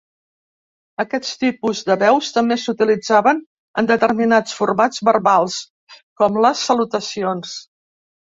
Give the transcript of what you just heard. Aquests tipus de veus també s'utilitzaven en determinats formats verbals, com les salutacions.